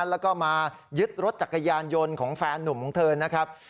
แล้วก็มายึดรถจักรยานยนต์ของแฟนหนุ่มของเธอนะครับ